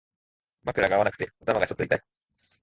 枕が合わなくて頭がちょっと痛い